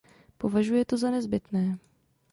Považuje to za nezbytné.